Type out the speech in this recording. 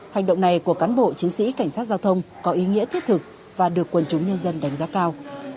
hành động này của cán bộ chiến sĩ cảnh sát giao thông có ý nghĩa thiết thực và được quần chúng nhân dân đánh giá cao